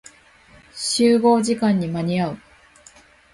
集合時間に間に合う。